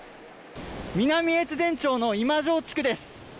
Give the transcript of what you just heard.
南越前町の今庄地区です。